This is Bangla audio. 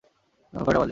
এখন কয়টা বাজে?